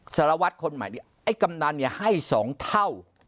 สารวัตรคนใหม่เนี่ยไอ้กำนันเนี่ยให้๒เท่า